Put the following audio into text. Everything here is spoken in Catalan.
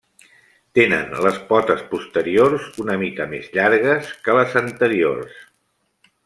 Tenen les potes posteriors una mica més llargues que les anteriors.